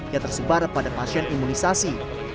yang tersebar pada pasien imunisasi